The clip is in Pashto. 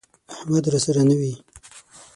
احمد راسره نه وي،